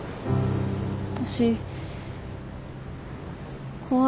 私怖い。